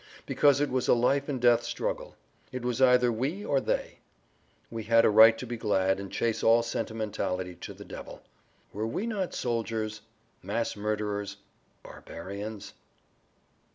Because it was a life and death struggle. It was either we or they. We had a right to be glad and chase all sentimentality to the devil. Were we not soldiers, mass murderers, barbarians?